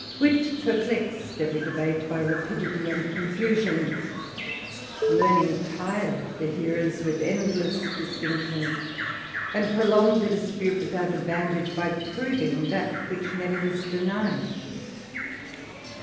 Wit perplexed every debate by rapidity and confusion ; Learning tired the hearers with endless distinctions, and prolonged the dispute without advantage, by proving that which never was denied.